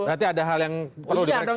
berarti ada hal yang perlu dikoreksi